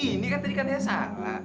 ini kan tadi katanya salah